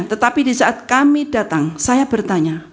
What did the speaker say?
tetapi di saat kami datang saya bertanya